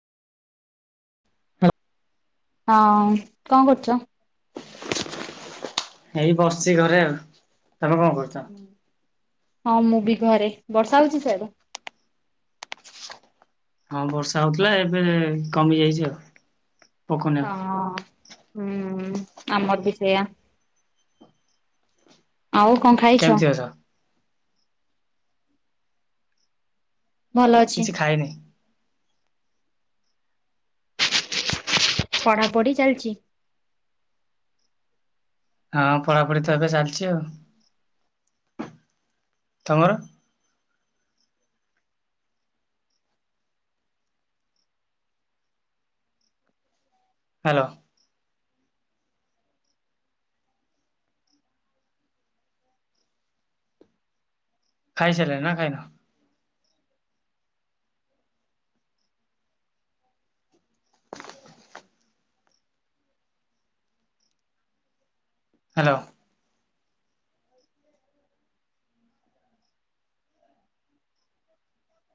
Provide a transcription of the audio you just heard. [unintelligible] ହଁ କଣ କରୁଛ? ଏଇ ବସିଛି ଘରେ। ଆଉ ତମେ କଣ କରୁଛ? ହଁ ମୁଁ ବି ଘରେ ବର୍ଷା ହଉଛି ସିଆଡେ ହଁ ବର୍ଷା ହଉଥିଲା ଏବେ କମି ଯାଇଛି ଆଉ ପକଉନି ଆଉ। ହଁ ହୁଁ ଆମର ବି ସେଇଆ ଆଉ କଣ ଖାଇଛ? କେମିତି ଅଛ? ଭଲ ଅଛି କିଛି ଖାଇନି। ପଢାପଢି ଚାଲିଛି? ହଁ ପଢାପଢି ତ ଏବେ ଚାଲିଛି ଆଉ। ତମର? ହ୍ୟାଲୋ। ଖାଇସରିଲନି ନା ଖାଇଁନ? ହ୍ୟାଲୋ।